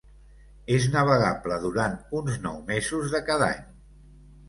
És navegable durant uns nou mesos de cada any.